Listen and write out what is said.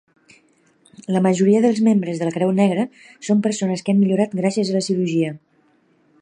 La majoria dels membres de la Creu Negra son persones que han millorat gràcies a la cirurgia.